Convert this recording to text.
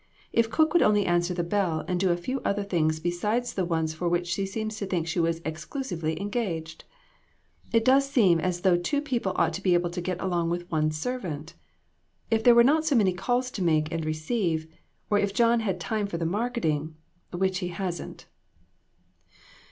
If cook would only answer the bell and do a few other little things beside the ones for which she seems to think she was exclusively engaged ! It does seem as though two people ought to be able to get along with one servant. If there were not so many calls to make and receive, or if John had time for the marketing . which he hasn't."